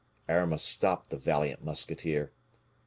Aramis stopped the valiant musketeer.